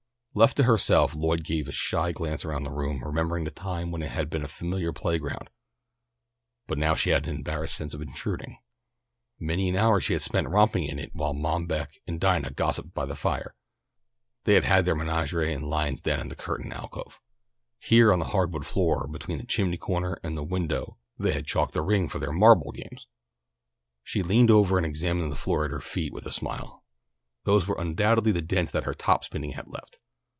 Left to herself Lloyd gave a shy glance around the room, remembering the time when it had been a familiar playground, but now she had an embarrassed sense of intruding. Many an hour she had spent romping in it while Mom Beck and Dinah gossiped by the fire. They had had their menagerie and lions' den in that curtained alcove. Here on the hard wood floor between the chimney corner and the window they had chalked the ring for their marble games. She leaned over and examined the floor at her feet with a smile. Those were undoubtedly the dents that their top spinning had left.